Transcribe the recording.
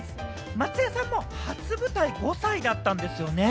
松也さんも初舞台、５歳だったんですよね？